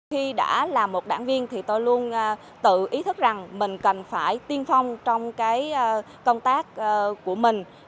khi đã là một đảng viên thì tôi luôn tự ý thức rằng mình cần phải tiên phong trong cái công tác của mình